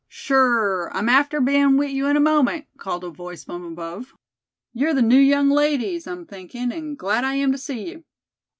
"Shure, I'm after bein' wit' you in a moment," called a voice from above. "You're the new young ladies, I'm thinkin', and glad I am to see you."